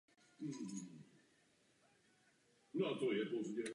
Měl s ní jediného syna Filipa.